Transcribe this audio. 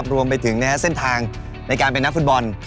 รวมไปถึงเส้นทางในการเป็นนักฟุตบอล